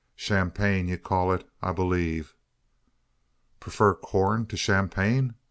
Sham pain, ye call it, I b'lieve." "Prefer corn to champagne!